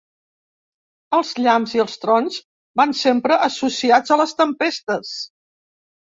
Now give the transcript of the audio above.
Els llamps i els trons van sempre associats a les tempestes.